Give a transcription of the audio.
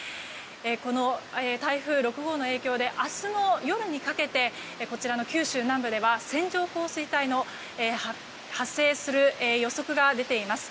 この台風６号の影響で明日の夜にかけてこちらの九州南部では線状降水帯が発生する予測が出ています。